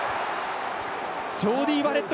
ジョーディー・バレット